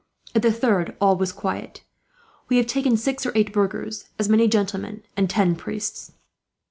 At the third, all was quiet. We have taken six or eight burghers, as many gentlemen, and ten priests."